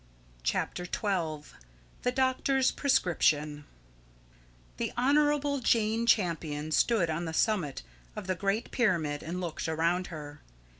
CHAPTER XII THE DOCTOR'S PRESCRIPTION The Honourable Jane Champion stood on the summit of the Great Pyramid and looked around her.